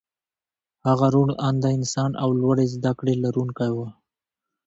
هغه روڼ انده انسان او لوړې زدکړې لرونکی و